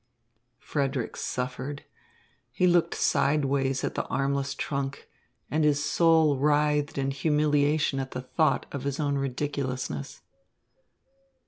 Frederick suffered. He looked sidewise at the armless trunk, and his soul writhed in humiliation at the thought of his own ridiculousness.